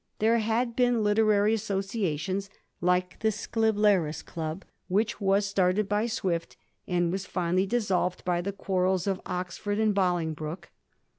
There had been literary associations like the * Scriblerus ' Club, which was started by Swift, and was finally dissolved by the quarrels of Oxford and BoKngbroke.